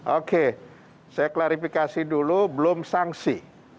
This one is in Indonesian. oke saya klarifikasi dulu belum sanksi